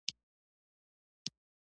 جګړه د راتلونکې هیله ختموي